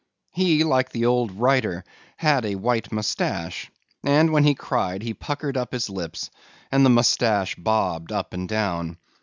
He, like the old writer, had a white mustache, and when he cried he puckered up his lips and the mustache bobbed up and down.